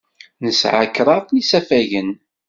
Nesɛa kraḍ n yisafagen.